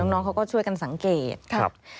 น้องเขาก็ช่วยกันสังเกตครับ